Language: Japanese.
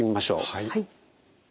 はい。